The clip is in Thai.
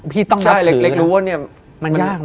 พี่ต้องรับถือนะ